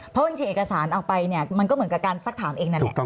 เพราะจริงเอกสารเอาไปเนี่ยมันก็เหมือนกับการซักถามเองนั่นแหละ